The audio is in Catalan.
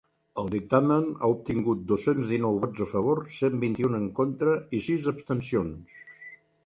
El dictamen ha obtingut dos-cents dinou vots a favor, cent vint-i-u en contra i sis abstencions.